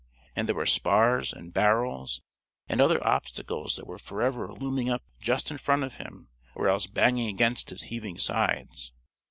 And there were spars and barrels and other obstacles that were forever looming up just in front of him or else banging against his heaving sides.